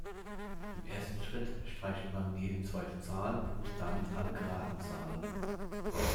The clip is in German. Im ersten Schritt streicht man jede zweite Zahl und damit alle geraden Zahlen.